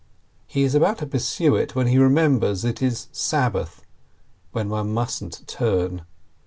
He is about to pursue it, when he remembers it is Sab bath, when one mustn't turn.